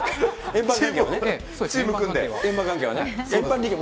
円盤関係はね。